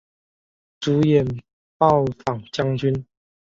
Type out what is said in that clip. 主演暴坊将军。